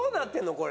これ。